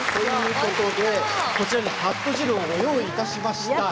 こちらに、はっと汁をご用意しました。